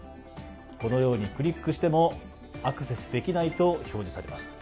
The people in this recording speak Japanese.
このようにクリックしてもアクセスできないと表示されます。